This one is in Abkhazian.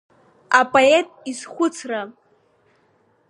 Апоет изхәыцра…